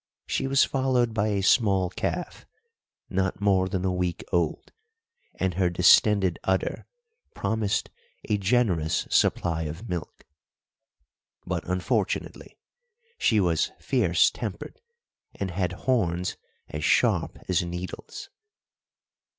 She was followed by a small calf, not more than a week old, and her distended udder promised a generous supply of milk; but unfortunately she was fierce tempered, and had horns as sharp as needles.